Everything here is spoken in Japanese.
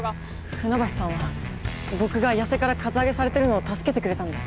船橋さんは僕が矢瀬からカツアゲされてるのを助けてくれたんです。